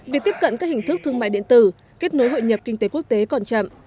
việc tiếp cận các hình thức thương mại điện tử kết nối hội nhập kinh tế quốc tế còn chậm